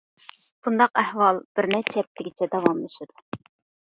بۇنداق ئەھۋال بىر نەچچە ھەپتىگىچە داۋاملىشىدۇ.